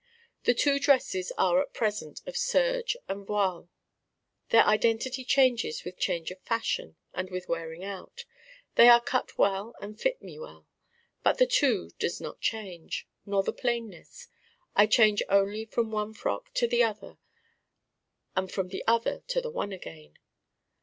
The Two Dresses are at present of serge and voile. Their identity changes with change of fashion and with wearing out. They are cut well and fit me well. But the Two does not change, nor the plainness. I change only from one Frock to the other and from the other to the one again.